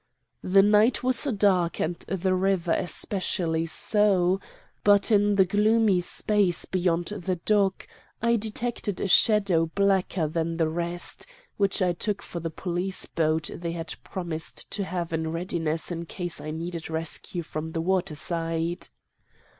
The night was dark and the river especially so, but in the gloomy space beyond the dock I detected a shadow blacker than the rest, which I took for the police boat they had promised to have in readiness in case I needed rescue from the water side.